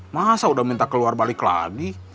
masa udah minta keluar balik lagi